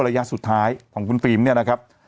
ระยะสุดท้ายของคุณฟิล์มเนี่ยนะครับ